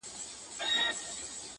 پر خپل قول درېدل خوی د مېړه دی!!